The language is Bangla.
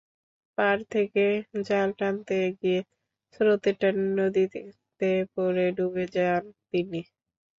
পাড় থেকে জাল টানতে গিয়ে স্রোতের টানে নদীতে পড়ে ডুবে যান তিনি।